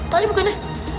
tali bukan ya